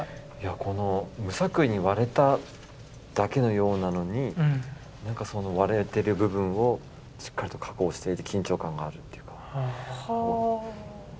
この無作為に割れただけのようなのに割れてる部分をしっかりと加工していて緊張感があるっていうか。